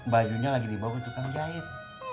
bajunya lagi dibawah tukang jahit